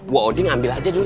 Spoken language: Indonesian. waauding ambil aja dulu ya